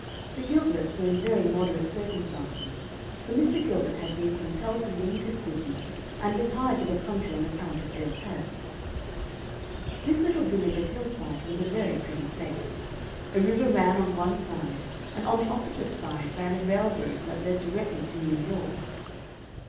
The Gilberts were in very moderate circumstances, for Mr. Gilbert had been compelled to leave his business and retire to the country on account of ill health. This little village of Hillside was a very pretty place. A river ran on one side, and on the opposite side ran a railroad that led directly to New York.